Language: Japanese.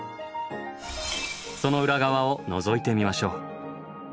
その裏側をのぞいてみましょう。